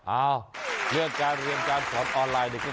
เอ้าเพื่อการเรียนการสอนออนไลน์